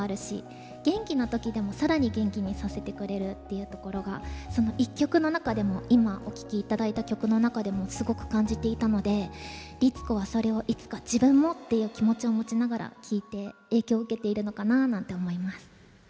いうところがその１曲の中でも今お聴き頂いた曲の中でもすごく感じていたので律子はそれをいつか自分もっていう気持ちを持ちながら聴いて影響を受けているのかなあなんて思います。